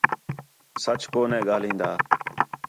سَچ کُو نے ڳاھلین٘دا